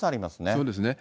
そうですね。